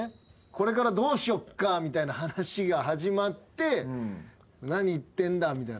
これからどうしようかみたいな話が始まって何言ってんだみたいな。